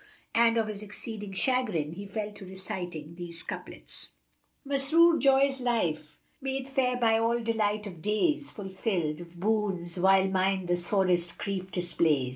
And of his exceeding chagrin, he fell to reciting these couplets, "Masrur joys life made fair by all delight of days, * Fulfilled of boons, while mine the sorest grief displays.